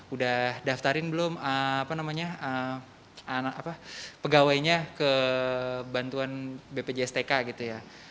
udah daftarin belum pegawainya ke bantuan bpjstk gitu ya